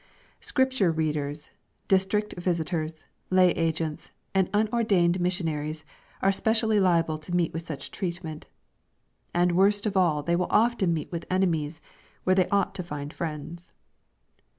Scripture readers, district visitors, lay agents, and un ordained missionaries, are specially liable to meet with such treatment. And worst of all they will often meet with enemies, where they ought to find friends.